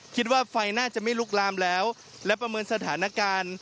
คิดว่าไฟน่าจะไม่ลุกลามแล้วและประเมินสถานการณ์